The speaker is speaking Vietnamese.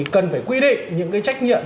cần phải quy định những cái trách nhiệm